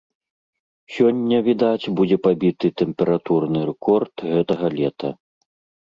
Сёння, відаць, будзе пабіты тэмпературны рэкорд гэтага лета.